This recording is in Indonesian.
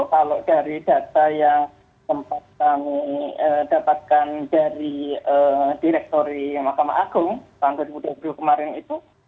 kalau dari data yang sempat kami dapatkan dari direktori mahkamah agung tahun dua ribu dua puluh kemarin itu